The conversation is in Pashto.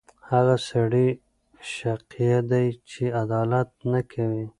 هغه سړی شقیه دی چې عدالت نه کوي.